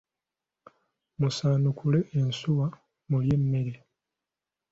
Musaanukule ensuwa mulye emmere.